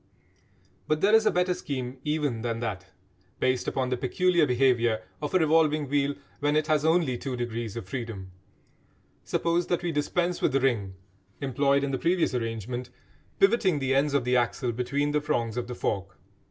But there is a better scheme even than that, based upon the peculiar behaviour of a revolving wheel when it has only two degrees of freedom. Suppose that we dispense with the ring employed in the previous arrangement, pivoting the ends of the axle between the prongs of the fork.